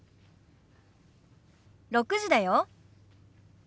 ６時だよ。